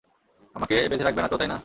আমাকে বেঁধে রাখবে না তো, তাই না?